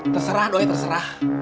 terserah doi terserah